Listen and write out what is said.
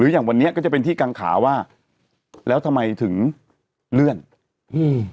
อย่างวันนี้ก็จะเป็นที่กังขาว่าแล้วทำไมถึงเลื่อนอืม